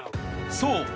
［そう。